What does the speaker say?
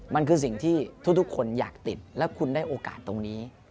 มันคือสิ่งที่ทุกคนอยากติดและคุณได้โอกาสตรงนี้